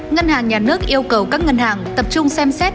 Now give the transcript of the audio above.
ngân hàng nhà nước yêu cầu các ngân hàng tập trung xem xét